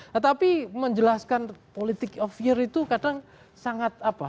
tetapi menjelaskan politik of fear itu kadang sangat apa